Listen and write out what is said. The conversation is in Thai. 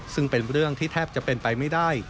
ซึ่งเป็นเรื่องที่แทบจะเป็นไปไม่ได้